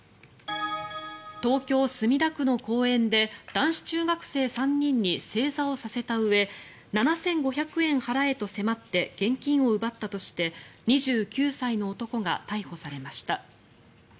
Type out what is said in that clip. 東京・墨田区の公園で男子中学生３人に正座をさせたうえ７５００円払えと迫って現金を奪ったとして２９歳の男が逮捕されました。